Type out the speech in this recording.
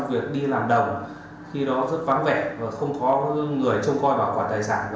việc đi làm đồng khi đó rất vắng vẻ và không có người trông coi bảo quản tài sản